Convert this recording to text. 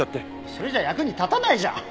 それじゃ役に立たないじゃん。